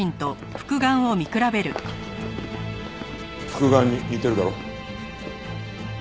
復顔に似てるだろ？